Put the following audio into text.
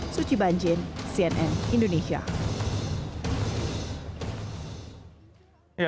suci banjin cnn indonesia